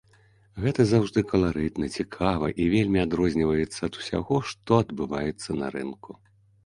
Гэта заўжды каларытна, цікава і вельмі адрозніваецца ад усяго, што адбываецца на рынку.